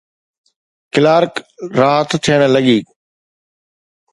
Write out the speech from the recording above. Clerk راحت ٿيڻ لڳي.